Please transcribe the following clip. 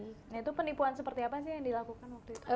nah itu penipuan seperti apa sih yang dilakukan waktu itu